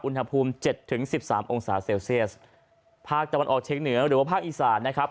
อุณหภูมิเจ็ดถึงสิบสามองศาเซลเซียสภาคตะวันออกเชียงเหนือหรือว่าภาคอีสานนะครับ